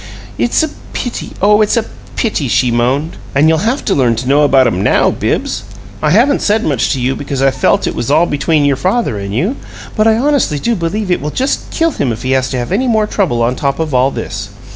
"It's a pity! Oh, it's a pity!" she moaned. "And you'll have to learn to know about 'em NOW, Bibbs! I haven't said much to you, because I felt it was all between your father and you, but I honestly do believe it will just kill him if he has to have any more trouble on top of all this!